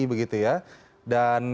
begitu ya dan